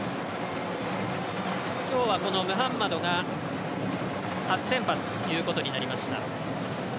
今日は、このムハンマドが初先発ということになりました。